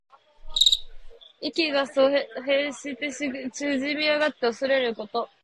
意気が阻喪して縮み上がっておそれること。